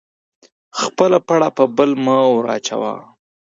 خپله پړه په بل مه ور اچوه